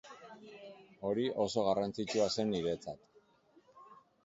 Hori oso garrantzitsua zen niretzat.